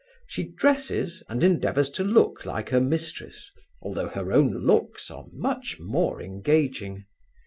She dresses and endeavours to look like her mistress, although her own looks are much more engaging.